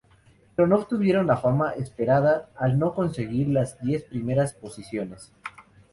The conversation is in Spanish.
Pero no obtuvieron la fama esperada, al no conseguir las diez primeras posiciones.